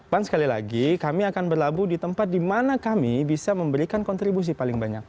pan sekali lagi kami akan berlabuh di tempat di mana kami bisa memberikan kontribusi paling banyak